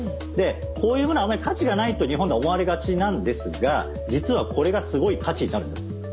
こういうものはあんまり価値がないと日本では思われがちなんですが実はこれがすごい価値になるんです。